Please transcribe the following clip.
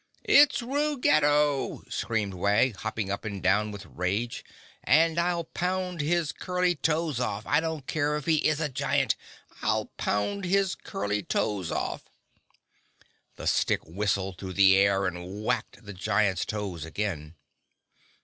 "It's Ruggedo!" screamed Wag, hopping up and down with rage. "And I'll pound his curly toes off. I don't care if he is a giant! I'll pound his curly toes off!" The stick whistled through the air and whacked the giant's toes again.